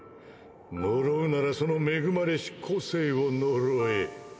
呪うならその恵まれし個性を呪え。